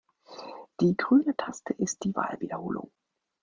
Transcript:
Die grüne Taste ist die Wahlwiederholung.